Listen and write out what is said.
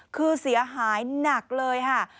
คือเสียหายหนักเลยค่ะ